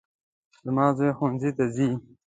زما زوی ښوونځي ته ځي